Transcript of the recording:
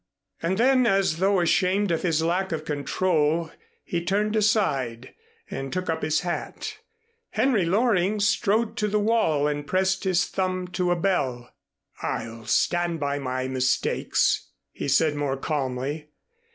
And then as though ashamed of his lack of control he turned aside, and took up his hat. Henry Loring strode to the wall and pressed his thumb to a bell. "I'll stand by my mistakes," he said more calmly.